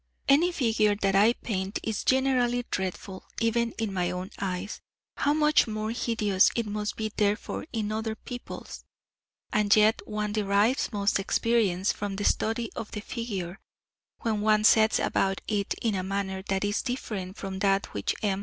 Any figure that I paint is generally dreadful even in my own eyes, how much more hideous it must be therefore in other people's! And yet one derives most experience from the study of the figure, when one sets about it in a manner that is different from that which M.